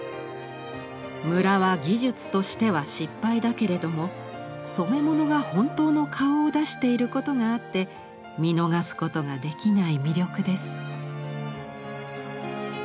「むらは技術としては失敗だけれども染めものが本当の顔を出していることがあって見逃すことが出来ない魅力です」。